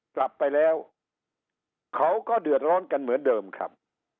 กลับไปแล้วเขาก็เดือดร้อนกันเหมือนเดิมครับ